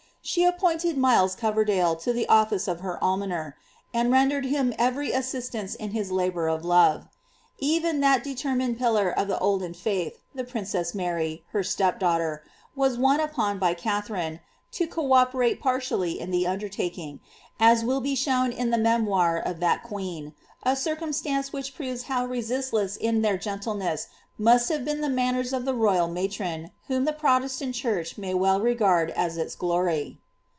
She appointed Miles CorenUe to the otFicc of her almoner,' and rendered him every assistance in his labour of love. Even that determined pillar of the olden fiuth, the princess Mary, her step daughter, was won upon by Katharine, to C(^ operate partially in the undertaking, as will be shown in the memoir of that queen — a circumstance which proves how resistless in their gentk ness must have been the manners of the royal matron, whom the Ftp* testant church may well regard as its glor}'.